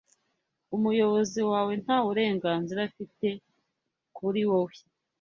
umuyobozi wawe ntaburengazira afite kuri wowe